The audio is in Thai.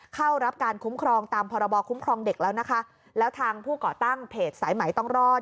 เข้ารับการคุ้มครองตามพรบคุ้มครองเด็กแล้วนะคะแล้วทางผู้ก่อตั้งเพจสายไหมต้องรอด